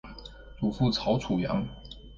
祖父曹楚阳。